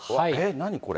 何これ？